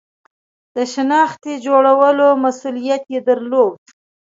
د شنختې د جوړولو مسئولیت یې درلود.